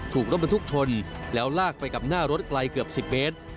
ถูกรถบรรทุกชนแล้วลากไปกับหน้ารถไกลเกือบ๑๐เมตร